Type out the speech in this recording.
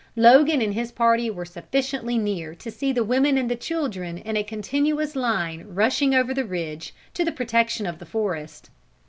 Logan and his party were sufficiently near to see the women and the children in a continuous line rushing over the ridge, to the protection of the forest.